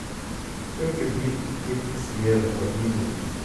Im Gebiet gibt es mehrere Minen.